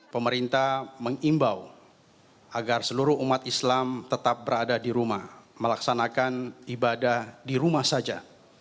pemerintah mengimbau agar seluruh umat islam tetap berada di rumah melaksanakan ibadah di rumah saja